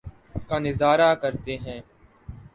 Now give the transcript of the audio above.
کا نظارہ کرتے ہیں